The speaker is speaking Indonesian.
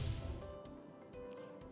nah kalau ini konsultasi